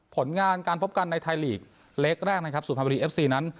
ผลงานการพบกันในไทยลีกเลขแรกนะครับสุภัณฑ์บริษัทธิ์เอฟซีนั้น